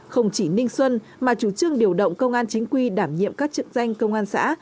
không chỉ ninh xuân mà chủ trương điều động công an chính quy đảm nhiệm các chức danh công an xã